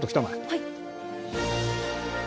はい。